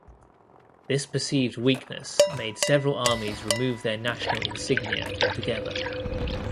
This perceived weakness made several armies remove their national insignia altogether.